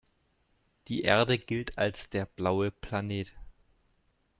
Die Erde gilt als der „blaue Planet“.